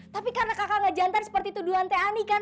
tapi karena kakak ngejantan seperti tuduhan tehani kan